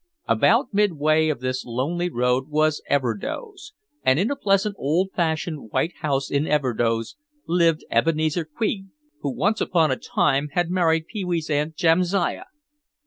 About midway of this lonely road was Everdoze, and in a pleasant old fashioned white house in Everdoze lived Ebenezer Quig who once upon a time had married Pee wee's Aunt Jamsiah.